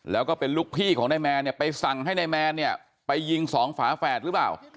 แล้วก็เป็นลูกพี่ของนายแมนเนี่ยไปสั่งให้นายแมนเนี่ยไปยิงสองฝาแฝดหรือเปล่า